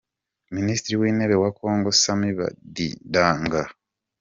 Minisitiri w’Intebe wa Congo Samy Badibanga